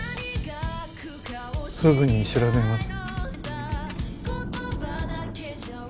すぐに調べます。